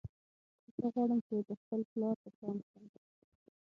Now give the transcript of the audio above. زه غواړم چې د خپل پلار په شان شم